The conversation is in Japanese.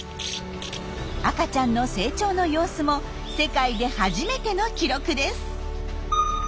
赤ちゃんの成長の様子も世界で初めての記録です。